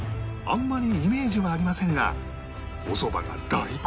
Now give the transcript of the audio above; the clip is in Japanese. あんまりイメージはありませんが